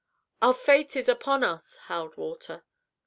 "Our fate is upon us!" howled Walter.